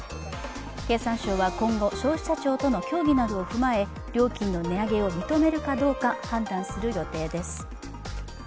経産省は今後、消費者庁との協議などを踏まえ料金の値上げを認めるかどうか判断する予定です。